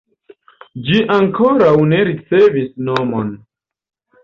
Ĝi ankoraŭ ne ricevis nomon.